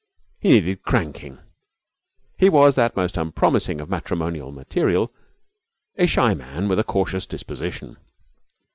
He needed cranking. He was that most unpromising of matrimonial material, a shy man with a cautious disposition.